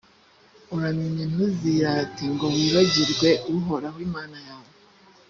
uramenye ntuzirate ngo wibagirwe uhoraho imana yawe.